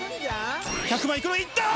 １００万円いくか、いった！